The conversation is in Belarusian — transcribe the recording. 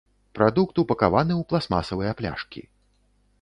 Прадукт упакаваны ў пластмасавыя пляшкі.